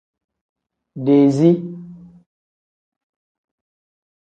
Dezii.